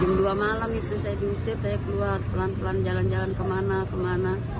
jam dua malam itu saya diusir saya keluar pelan pelan jalan jalan kemana kemana